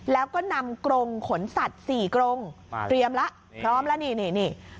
แล้วก็นำกรงขนสัตว์๔กรงเตรียมแล้วพร้อมแล้วนี่นี่